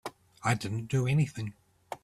I didn't do anything.